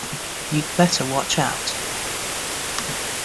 You'd Better Watch Out!